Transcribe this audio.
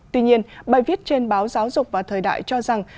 tuy nhiên bài viết trên báo giáo dục và thời đại cho rằng